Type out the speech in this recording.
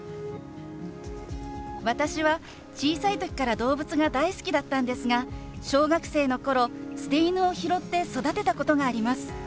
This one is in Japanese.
私は小さい時から動物が大好きだったんですが小学生の頃捨て犬を拾って育てたことがあります。